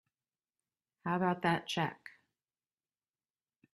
How about that check?